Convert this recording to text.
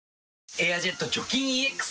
「エアジェット除菌ＥＸ」